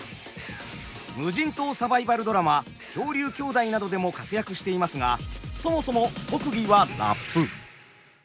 無人島サバイバルドラマ「漂流兄妹」などでも活躍していますがそもそも特技はラップ。